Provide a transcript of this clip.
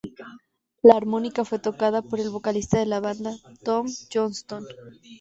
La armónica fue tocada por el vocalista de la banda, Tom Johnston.